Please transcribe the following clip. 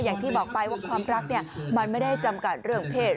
อย่างที่บอกไปว่าความรักมันไม่ได้จำกัดเรื่องเพศ